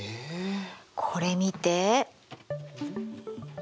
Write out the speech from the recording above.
これ見て。